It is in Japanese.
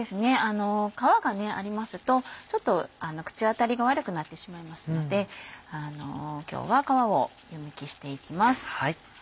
皮がありますとちょっと口当たりが悪くなってしまいますので今日は皮を湯むきしていきます。